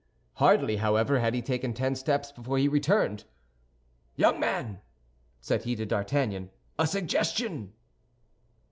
Hardly, however, had he taken ten steps before he returned. "Young man," said he to D'Artagnan, "a suggestion."